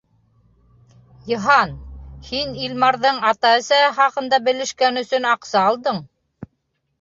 Йыһан, һин Илмарҙың ата-әсәһе хаҡында белешкән өсөн аҡса алдың.